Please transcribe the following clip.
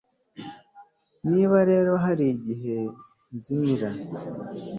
Niba rero hari igihe nzimira